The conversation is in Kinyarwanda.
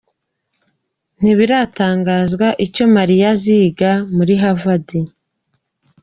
Ntibiratangazwa icyo Malia aziga muri Harvard.